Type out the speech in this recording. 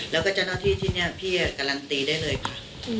แล้วก็เจ้าหน้าที่ที่นี่พี่การันตีได้เลยค่ะ